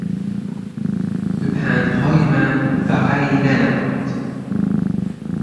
به پندهای من وقعی ننهاد.